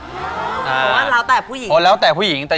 อ๋อแล้วแต่ผู้หญิงก็คิดว่าอ๋อแล้วแต่ผู้หญิงก็คิดว่าอ๋อแล้วแต่ผู้หญิงก็คิดว่า